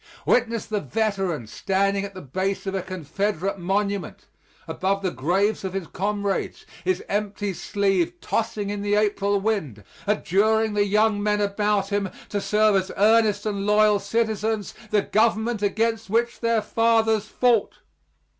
Witness the veteran standing at the base of a Confederate monument, above the graves of his comrades, his empty sleeve tossing in the April wind, adjuring the young men about him to serve as earnest and loyal citizens the Government against which their fathers fought.